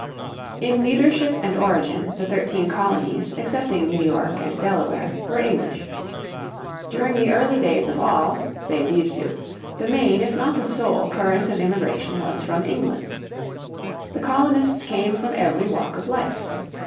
= In leadership and origin the thirteen colonies, except New York and Delaware, were English. During the early days of all, save these two, the main, if not the sole, current of immigration was from England. The colonists came from every walk of life.